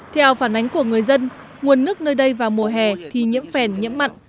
theo phản ánh của người dân nguồn nước nơi đây vào mùa hè thì nhiễm phèn nhiễm mặn